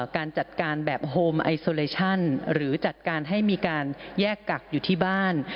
การจัดการแบบโฮมไอโซเลชั่นหรือจัดการให้มีการแยกกักอยู่ที่บ้าน